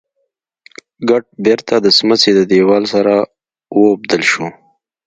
ګټ بېرته د سمڅې د دېوال سره واوبدل شو.